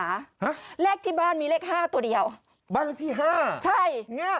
ฮะเลขที่บ้านมีเลขห้าตัวเดียวบ้านเลขที่ห้าใช่ห้า